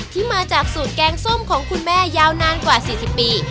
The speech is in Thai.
ที่มาจากสูตรแกงส้มของคุณแม่ยาวนานกว่า๔๐ปี